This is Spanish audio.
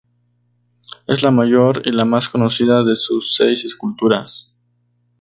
Es la mayor y la más conocida de sus seis esculturas.